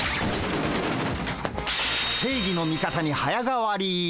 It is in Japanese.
正義の味方に早変わり！